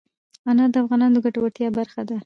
انار د افغانانو د ګټورتیا برخه ده.